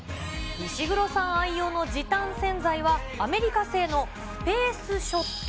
石黒さん愛用の時短洗剤は、アメリカ製のスペースショット。